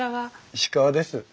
石川です。